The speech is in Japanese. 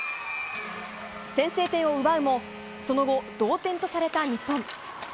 先制点を奪うもその後、同点とされた日本。